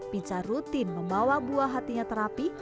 pizza rutin membawa buah hatinya terapi